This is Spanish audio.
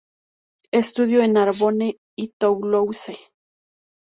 Estudió en Narbonne y Toulouse.